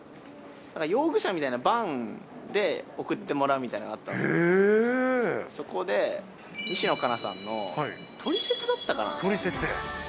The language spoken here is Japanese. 用具車みたいなバンで送ってもらうみたいなのあったんですけど、そこで西野カナさんのトリセツだったかな？